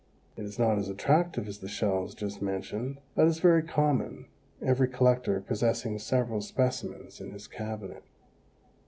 It is not as attractive as the shells just mentioned, but is very common, every collector possessing several specimens in his cabinet.